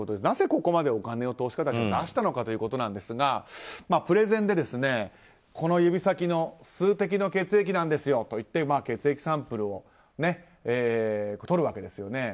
なぜ、ここまでお金を投資家たち出したのかということですがプレゼンで指先の数滴の血液なんですよと言って血液サンプルをとるわけです。